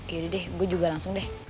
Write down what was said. yaudah deh gue juga langsung deh